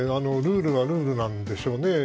ルールはルールなんでしょうね。